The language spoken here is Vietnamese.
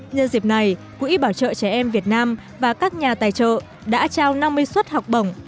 nhân dịp này quỹ bảo trợ trẻ em việt nam và các nhà tài trợ đã trao năm mươi suất học bổng